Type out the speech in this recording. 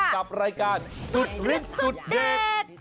กับรายการสุดฤทธิสุดเด็ด